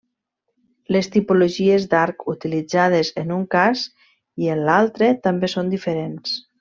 Les tipologies d'arc utilitzades en un cas i en l'altre també són diferents.